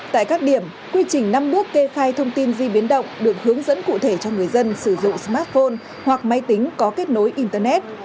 tại các điểm quy trình năm bước kê khai thông tin di biến động được hướng dẫn cụ thể cho người dân sử dụng smartphone hoặc máy tính có kết nối internet